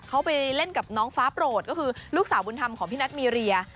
เขาไปเล่นกับน้องฟ้าโปรดก็คือลูกสาวบุญธรรมของพี่นัทมีเรีย